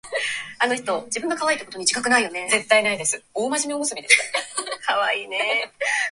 麦束を取り上げて地べたへ叩きつけると、小悪魔の言った通りやりました。麦束がバラバラに解けて落ちたかと思うと、藁がのこらず兵隊になって、